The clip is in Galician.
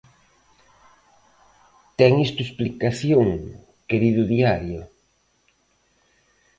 Ten isto explicación, querido diario?